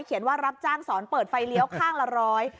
ว่ารับจ้างสอนเปิดไฟเลี้ยวข้างละร้อย